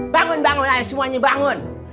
bangun bangun ayo semuanya bangun